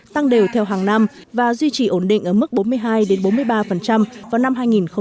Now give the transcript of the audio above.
tăng đều theo hàng năm và duy trì ổn định ở mức bốn mươi hai bốn mươi ba vào năm hai nghìn hai mươi